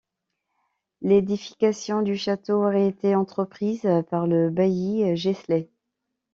L'édification du château aurait été entreprise par le bailli Gessler.